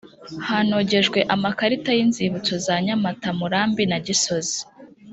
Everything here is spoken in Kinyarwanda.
hanogejwe amakarita y’inzibutso za nyamata murambi na gisozi